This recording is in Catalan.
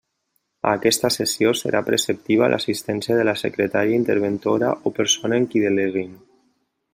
A aquesta sessió, serà preceptiva l'assistència de la Secretària-interventora o persona en qui deleguin.